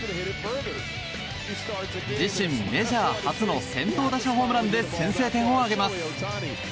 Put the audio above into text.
自身メジャー初の先頭打者ホームランで先制点を挙げます。